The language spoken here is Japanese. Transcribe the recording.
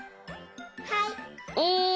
はい。